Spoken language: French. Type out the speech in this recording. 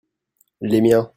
les miens.